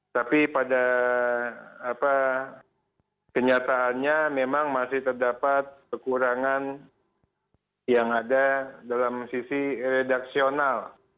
tapi pada kenyataannya memang masih terdapat kekurangan yang ada dalam sisi redaksional